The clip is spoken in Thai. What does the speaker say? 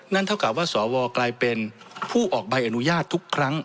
เท่ากับว่าสวกลายเป็นผู้ออกใบอนุญาตทุกครั้ง